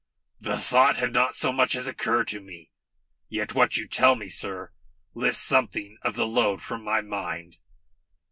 "The thought had not so much as occurred to me. Yet what you tell me, sir, lifts something of the load from my mind."